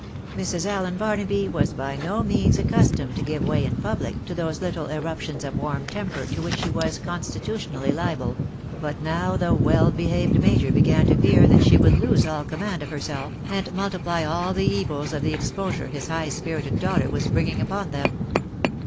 Mrs. Allen Barnaby was by no means accustomed to give way in public to those little eruptions of warm temper to which she was constitutionally liable ; but now the well behaved major began to fear that she would lose all command of herself, and multiply all the evils of the exposure his high spirited daughter was bringing upon them.